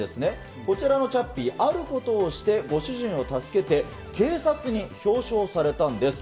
こちらのチャッピー、あることをして、ご主人を助けて、警察に表彰されたんです。